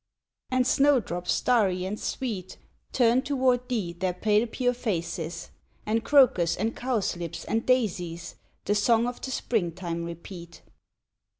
And Snowdrops starry and sweet, Turn toward thee their pale pure faces And Crocus, and Cowslips, and Daisies The song of the spring time repeat.